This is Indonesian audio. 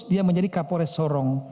dia menjadi kapolres sorong